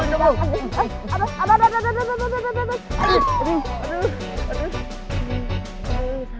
aduh sakit banget